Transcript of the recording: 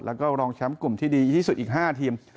แล้วก็รองแชมป์กลุ่มที่ดีที่สุดอีก๕ทีม